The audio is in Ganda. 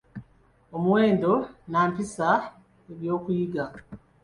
Omuwendo nnampisa: ebyokuyiga